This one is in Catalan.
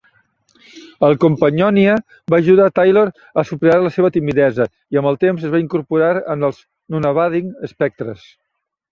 El companyonia va ajudar Taylor a superar la seva timidesa i, amb el temps, es va incorporar en els Nunawading Spectres.